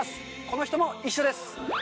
この人も一緒です！